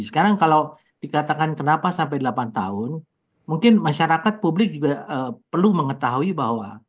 sekarang kalau dikatakan kenapa sampai delapan tahun mungkin masyarakat publik juga perlu mengetahui bahwa